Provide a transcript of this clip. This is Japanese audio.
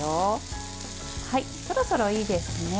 そろそろいいですかね。